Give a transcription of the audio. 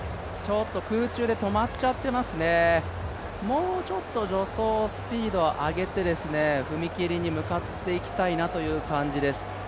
空中で止まっちゃってますね、もうちょっと助走スピードを上げて踏み切りに向かっていきたいなという感じです。